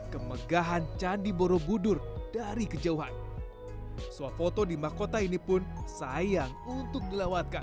kemegahan candi borobudur dari kejauhan suap foto di mahkota ini pun sayang untuk dilewatkan